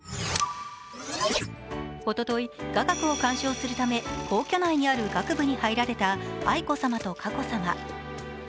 おととい、雅楽を鑑賞するため皇居内にある楽部に入られた愛子さまと佳子さま。